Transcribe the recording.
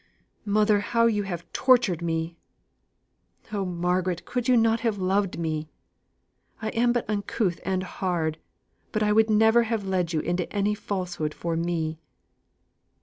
Mother, how you have tortured me! Oh! Margaret, could you not have loved me? I am but uncouth and hard, but I would never have led you into any falsehood for me."